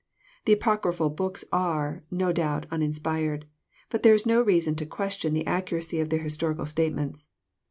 The Apocryphal books are, no doubt, uninspired. But there is no reason to question the accuracy of their historical statements.